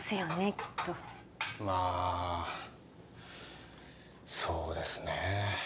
きっとまあそうですね